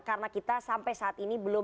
karena kita sampai saat ini belum